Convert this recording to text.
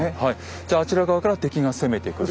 じゃああちら側から敵が攻めてくる。